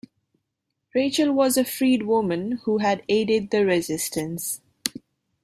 Rachel was a freedwoman who had aided the resistance.